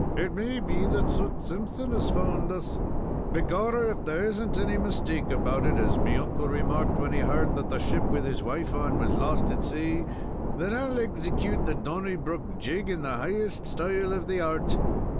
"It may be that Soot Simpson has found us. Begorrah, if there is n't any mistake about it, as me uncle remarked, when he heard that the ship with his wife on was lost at saa, then I'll execute the Donnybrook jig in the highest style of the art.